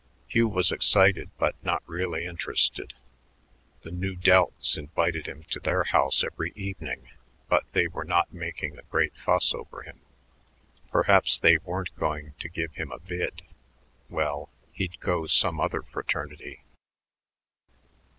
Hugh was excited but not really interested. The Nu Deltas invited him to their house every evening, but they were not making a great fuss over him. Perhaps they weren't going to give him a bid.... Well, he'd go some other fraternity.